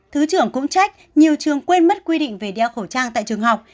thứ trưởng cũng trách nhiều trường quên mất quy định về đeo khẩu trang tại trường học